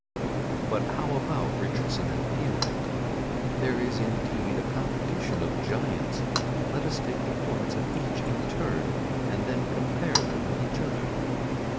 But how about Richardson and Fielding? There is indeed a competition of giants. Let us take the points of each in turn, and then compare them with each other.